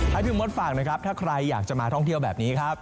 ให้พี่มดฝากนะครับถ้าใครอยากจะมาท่องเที่ยวแบบนี้ครับ